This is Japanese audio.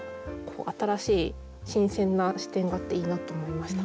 新しい新鮮な視点があっていいなと思いました。